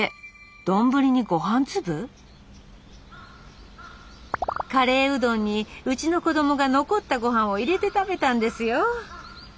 丼にごはん粒⁉「カレーうどんにうちの子供が残ったごはんを入れて食べたんですよ」。